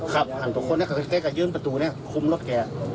ครับหันตัวคนเนี่ยใกล้กับยืนประตูเนี่ยคุมรถแก